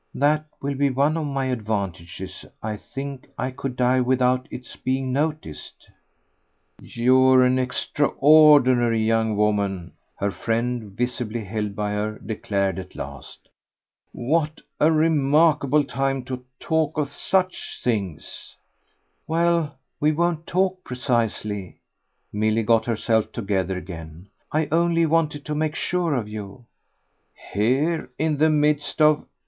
"That will be one of my advantages. I think I could die without its being noticed." "You're an extraordinary young woman," her friend, visibly held by her, declared at last. "What a remarkable time to talk of such things!" "Well, we won't talk, precisely" Milly got herself together again. "I only wanted to make sure of you." "Here in the midst of